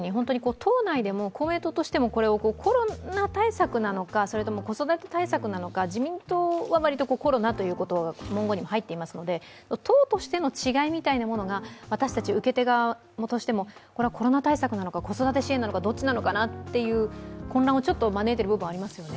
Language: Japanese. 党内でも公明党としても、コロナ対策なのか子育て対策なのか、自民党は割とコロナということが文言にも入っていますので党としての違いみたいなものが私たち受け手側としてもこれはコロナ対策なのか子育て支援なのかどっちなのかなと混乱を招いている部分はありますよね。